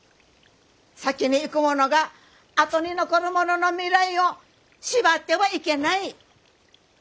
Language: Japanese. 先に逝く者が後に残る者の未来を縛ってはいけない。